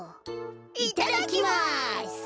いただきます。